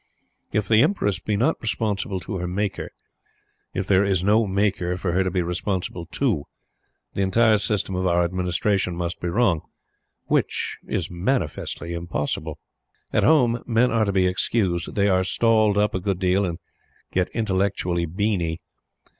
If the Empress be not responsible to her Maker if there is no Maker for her to be responsible to the entire system of Our administration must be wrong. Which is manifestly impossible. At Home men are to be excused. They are stalled up a good deal and get intellectually "beany."